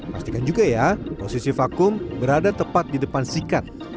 pastikan juga ya posisi vakum berada tepat di depan sikat